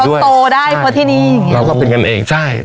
ก็ได้กับที่นี่เราก็เป็นเงินเองใช่